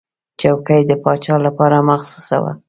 چوکۍ د پاچا لپاره مخصوصه وه.